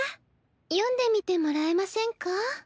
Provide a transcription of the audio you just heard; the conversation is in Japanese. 読んでみてもらえませんか？